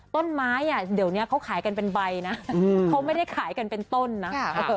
ต้นไม้เดี๋ยวนี้เขาขายกันเป็นใบนะเขาไม่ได้ขายกันเป็นต้นนะ